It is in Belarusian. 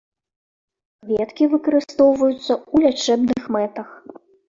Кветкі выкарыстоўваюцца ў лячэбных мэтах.